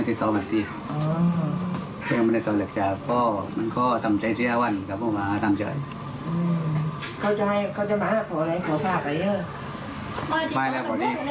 ติติต่อทำใจด้านวันกับผู้มาพักนะครับ